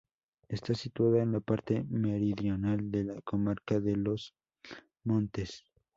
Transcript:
Está situada en la parte meridional de la comarca de Los Montes.